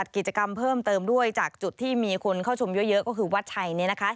กิจกรรมเพิ่มเติมด้วยจากจุดที่มีคนเข้าชมเยอะก็คือวัดชัย